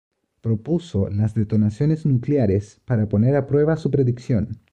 Propuso las detonaciones nucleares para poner a prueba su predicción.